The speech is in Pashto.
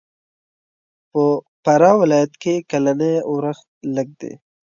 په فراه ولایت کښې کلنی اورښت لږ دی.